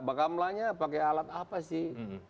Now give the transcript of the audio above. bakamlanya pakai alat apa sih